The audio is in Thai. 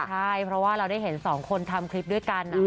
ใช่เพราะว่าเราได้เห็นสองคนทำคลิปด้วยกัน